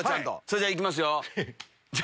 それじゃ行きますよ。